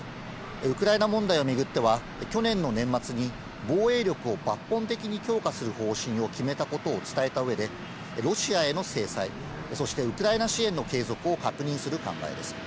ウクライナ問題を巡っては、去年の年末に、防衛力を抜本的に強化する方針を決めたことを伝えたうえで、ロシアへの制裁、そしてウクライナ支援の継続を確認する考えです。